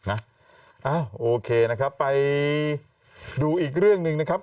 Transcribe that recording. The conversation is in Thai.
เอ้าโอเคนะครับไปดูอีกเรื่องหนึ่งนะครับ